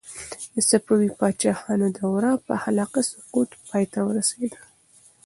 د صفوي پاچاهانو دوره په اخلاقي سقوط پای ته ورسېده.